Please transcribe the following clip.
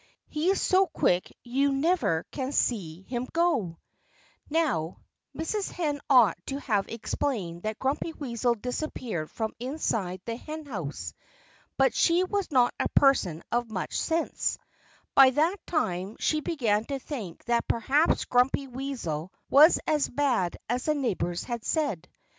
"He's so quick you never can see him go." Now, Mrs. Hen ought to have explained that Grumpy Weasel disappeared from inside the henhouse. But she was not a person of much sense. By that time she began to think that perhaps Grumpy Weasel was as bad as the neighbors had said.